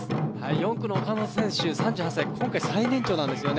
４区の岡本選手、今回最年長なんですね。